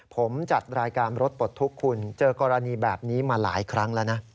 ผมจัดรายการรถปลดทุกข์คุณเจอกรณีแบบนี้มาหลายครั้งแล้วนะ